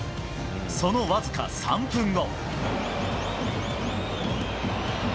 その僅か３分後。